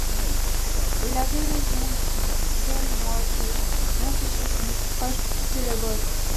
Il avait raison, Harry Markel, d’empêcher son équipage de quitter le bord.